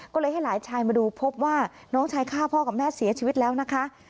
ก็เลยให้หลานชายมาดูพบว่าน้องชายฆ่าพ่อกับแม่เสียชีวิตแล้วนะคะ